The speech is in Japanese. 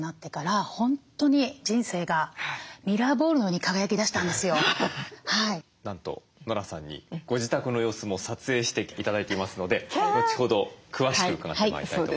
片づけられなかったんですけどなんとノラさんにご自宅の様子も撮影して頂いていますので後ほど詳しく伺ってまいりたいと思います。